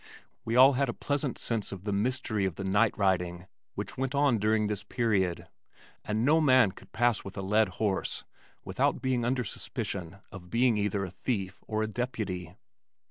We all had a pleasant sense of the mystery of the night riding which went on during this period and no man could pass with a led horse without being under suspicion of being either a thief or a deputy.